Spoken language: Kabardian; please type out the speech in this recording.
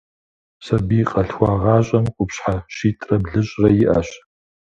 Сабий къалъхуагъащӏэм къупщхьэ щитӏрэ блыщӏрэ иӏэщ.